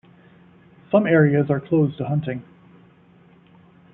Some areas are closed to hunting.